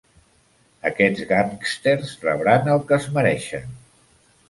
Aquests gàngsters rebran el que es mereixen.